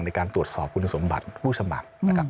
ในการตรวจสอบคุณสมบัติผู้สมัคร